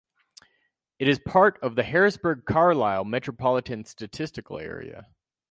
It is part of the Harrisburg-Carlisle Metropolitan Statistical Area.